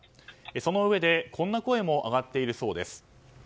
そのうえでこんな声も上がっているそうです。